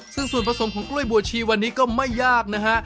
ซึ่งส่วนผสมของกล้วยบัวชีวันนี้ก็ไม่ยากนะฮะ